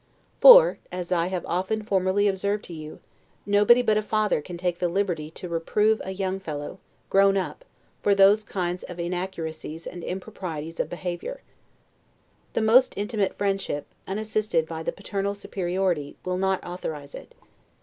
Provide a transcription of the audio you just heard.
For, as I have often formerly observed to you, nobody but a father can take the liberty to reprove a young fellow, grown up, for those kinds of inaccuracies and improprieties of behavior. The most intimate friendship, unassisted by the paternal superiority, will not authorize it.